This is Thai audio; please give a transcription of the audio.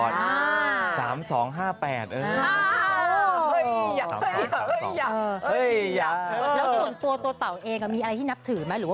แล้วส่วนตัวตะวเองอ่ะมีอะไรที่นับถือมั้ย